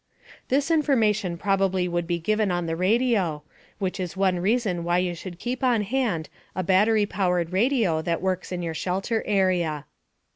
This information probably would be given on the radio, which is one reason why you should keep on hand a battery powered radio that works in your shelter area.